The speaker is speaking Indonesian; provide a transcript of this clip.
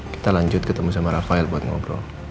kita lanjut ketemu sama rafael buat ngobrol